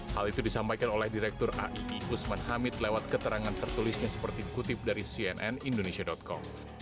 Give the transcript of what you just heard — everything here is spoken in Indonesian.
hal itu disampaikan oleh direktur aii usman hamid lewat keterangan tertulisnya seperti kutip dari cnn indonesia com